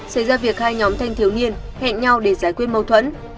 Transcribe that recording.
xảy ra việc hai nhóm thanh thiếu niên hẹn nhau để giải quyết mâu thuẫn